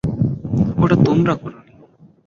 ওটা তোমরা করোনি।